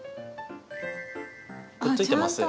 くっついてます。